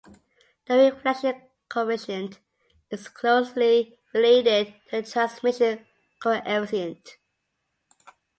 The reflection coefficient is closely related to the "transmission coefficient".